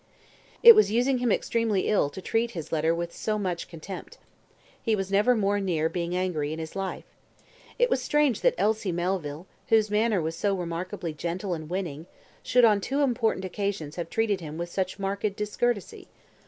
It was using him extremely ill to treat his letter with so much contempt. He was never more near being very angry in his life. It was strange that Elsie Melville, whose manner was so remarkably gentle and winning, should on two important occasions have treated him with such marked discourtesy.